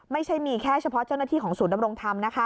ไม่ใช่มีแค่เฉพาะเจ้าหน้าที่ของศูนย์ดำรงธรรมนะคะ